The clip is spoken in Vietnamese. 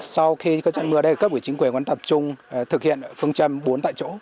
sau khi trận mưa đây các bộ chính quyền vẫn tập trung thực hiện phương châm bốn tại chỗ